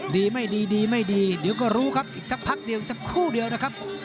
ดีไม่ดีดีไม่ดีเดี๋ยวก็รู้ครับอีกสักพักเดียวสักครู่เดียวนะครับ